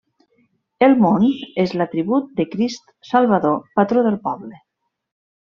El món és l'atribut del Crist Salvador, patró del poble.